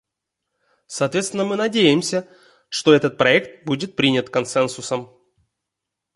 Соответственно мы надеемся, что этот проект будет принят консенсусом.